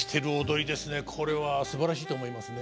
これはすばらしいと思いますね。